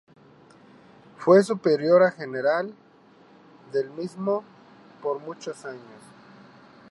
Fue superiora general del mismo por muchos años.